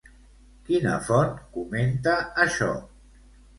Quina font comenta això?